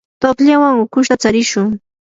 tuqllawan ukushuta tsarishun.